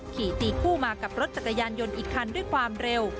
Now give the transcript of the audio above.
ขี่ตีคู่มากับรถจักรยานยนต์อีกคันด้วยความเร็ว